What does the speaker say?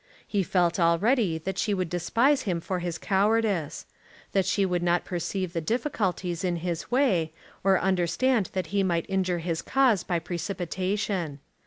He felt already that she would despise him for his cowardice, that she would not perceive the difficulties in his way, or understand that he might injure his cause by precipitation.